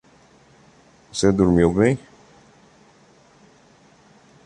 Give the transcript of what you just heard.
Você dormiu bem?